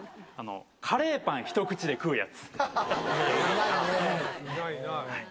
カレーパン１口で食うやつ。